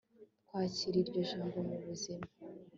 twakire iryo jambo mu buzima